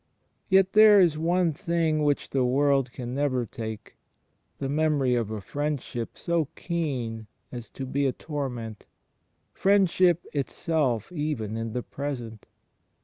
Yet there is one thing which the world can never take — the memory of a Friendship so keen as to be a torment — Friendship itself even in the present.